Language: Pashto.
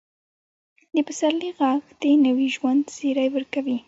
د پسرلي ږغ د نوي ژوند زیری ورکوي.